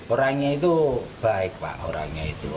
orangnya itu baik pak orangnya itu